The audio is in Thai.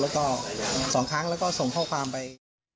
แล้วก็๒ครั้งแล้วก็ส่งข้อความไป